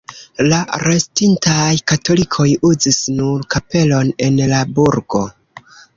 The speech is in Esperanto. La restintaj katolikoj uzis nur kapelon en la burgo.